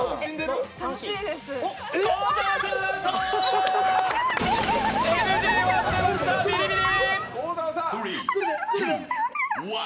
幸澤さん、アウトーＮＧワード出ました、ビリビリ。